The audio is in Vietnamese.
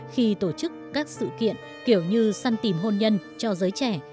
khi tổ chức các sự kiện kiểu như săn tìm hôn nhân cho giới trẻ